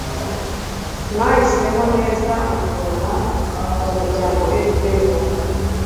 mwahisemo neza mutora umuryango fpr-inkotanyi